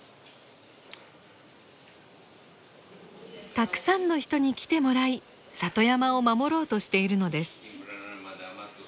たくさんの人に来てもらい里山を守ろうとしているのです。